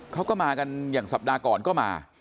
เขาก็มากันอย่างสัปดาห์ก่อนก็มา